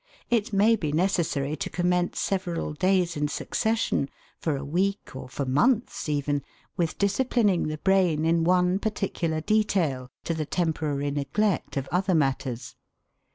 It may be necessary to commence several days in succession for a week or for months, even with disciplining the brain in one particular detail, to the temporary neglect of other matters.